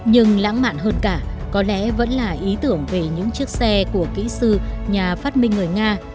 nhưng lãng mạn hơn cả có lẽ vẫn là ý tưởng về những chiếc xe của kỹ sư nhà phát minh người nga